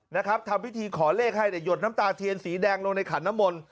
นะครับทำพิธีขอเลขให้เนี่ยหยดน้ำตาเทียนสีแดงลงในขันน้ำมนต์